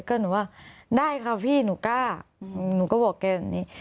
ก็หนูว่าได้ค่ะพี่หนูกล้าหนูก็บอกแกแบบนี้